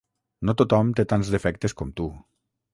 No tothom té tants defectes com tu.